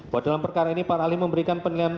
bahwa dalam perkara ini para ahli memberikan penilaian